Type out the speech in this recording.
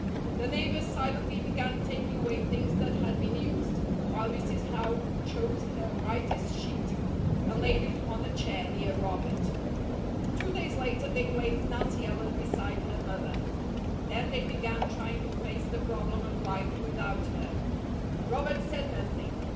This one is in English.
The neighbours silently began taking away things that had been used, while Mrs. Howe chose her whitest sheet, and laid it on a chair near Robert. Two days later they laid Nancy Ellen beside her mother. Then they began trying to face the problem of life without her. Robert said nothing.